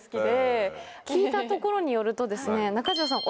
聞いたところによるとですね中条さん